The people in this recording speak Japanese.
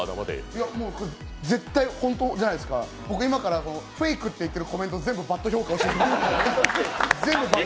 絶対本当じゃないですか僕、今からフェイクって言ってるコメント、全部バッド評価していきます。